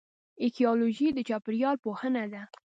ایکیولوژي د چاپیریال پوهنه ده